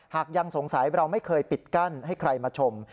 หากยังสงสัยเราไม่เคยปิดกั้นให้ใครมาชม